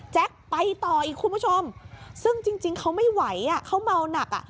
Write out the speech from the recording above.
ไปต่ออีกคุณผู้ชมซึ่งจริงเขาไม่ไหวอ่ะเขาเมาหนักอ่ะ